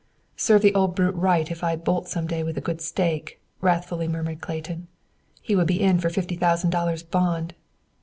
"Serve the old brute right if I'd bolt some day with a good stake," wrathfully murmured Clayton. "He would be in for fifty thousand dollars' bond!